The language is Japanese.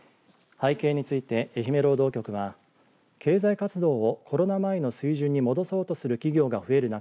背景について、愛媛労働局は経済活動をコロナ前の水準に戻そうとする企業が増える中